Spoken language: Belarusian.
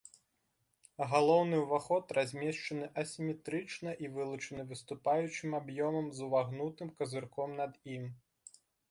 Галоўны ўваход размешчаны асіметрычна і вылучаны выступаючым аб'ёмам з увагнутым казырком над ім.